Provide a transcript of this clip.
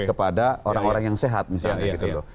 kepada orang orang yang sehat misalnya gitu loh